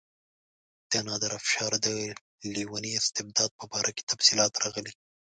د نادرشاه افشار د لیوني استبداد په باره کې تفصیلات راغلي.